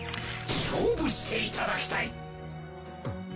勝負していただきたい！